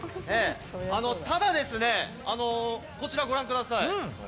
ただ、こちらご覧ください。